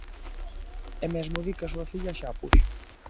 E mesmo di que a súa filla xa a puxo.